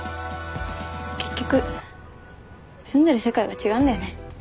結局住んでる世界が違うんだよね。